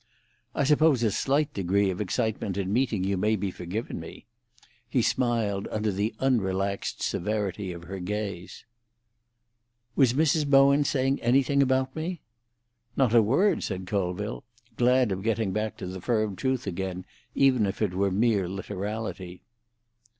"I suppose a slight degree of excitement in meeting you may be forgiven me." He smiled under the unrelaxed severity of her gaze. "Was Mrs. Bowen saying anything about me?" "Not a word," said Colville, glad of getting back to the firm truth again, even if it were mere literality.